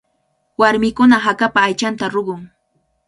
Warmikuna hakapa aychanta ruqun.